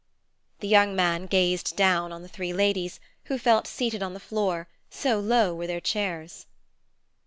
The young man gazed down on the three ladies, who felt seated on the floor, so low were their chairs.